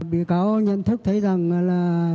bị cáo nhận thức thấy rằng là